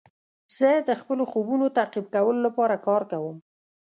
زه د خپلو خوبونو تعقیب کولو لپاره کار کوم.